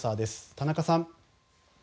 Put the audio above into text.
田中さん。